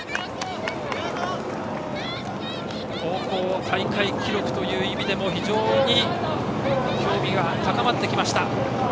高校大会記録という意味でも非常に興味が高まってきました。